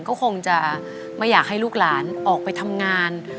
ก็คงจะไม่อยากให้ลูกหลานออกไปทำงาน